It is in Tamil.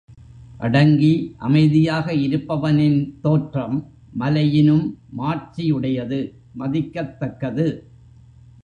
அடங்கி அமைதியாக இருப்பவனின் தோற்றம் மலையினும் மாட்சி உடையது மதிக்கத் தக்கது.